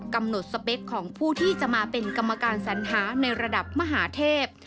กำหนดสเปคของผู้ที่จะมาเป็นกรรมการสัญหาในระดับมหาเทพ